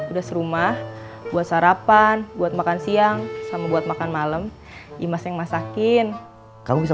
udah serumah buat sarapan buat makan siang sama buat makan malam imas yang masakin kamu bisa